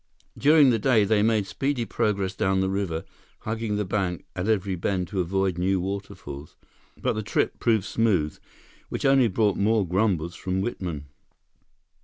During the day, they made speedy progress down the river, hugging the bank at every bend to avoid new waterfalls. But the trip proved smooth, which only brought more grumbles from Whitman.